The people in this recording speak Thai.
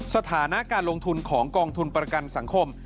สถานะการลงทุนของกองทุนประกันสังคม